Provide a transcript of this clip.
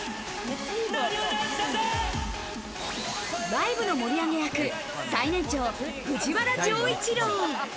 ライブの盛り上げ役、最年長・藤原丈一郎。